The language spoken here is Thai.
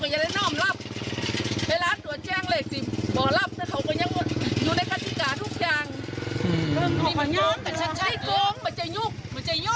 ชาวบ้านดู